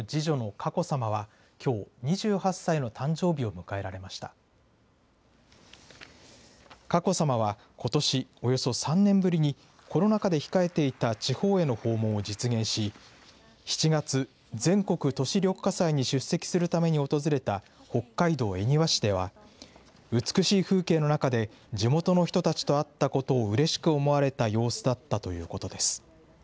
佳子さまは、ことしおよそ３年ぶりに、コロナ禍で控えていた地方への訪問を実現し、７月、全国都市緑化祭に出席するために訪れた北海道恵庭市では、美しい風景の中で地元の人たちと会ったことをうれしく思われた様子だったということです。